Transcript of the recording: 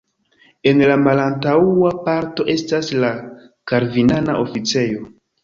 En la malantaŭa parto estas la kalvinana oficejo.